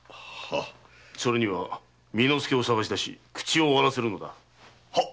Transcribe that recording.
それには巳之助を捜し出し口を割らせるのだ。